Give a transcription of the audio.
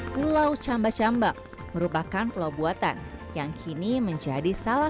pulau cambacamba merupakan pulau buatan yang kini menjadi salah